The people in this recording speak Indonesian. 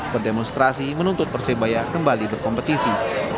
berdemonstrasi menuntut persebaya kembali berkompetisi